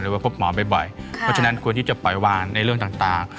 ว่าพบหมอบ่อยเพราะฉะนั้นควรที่จะปล่อยวานในเรื่องต่าง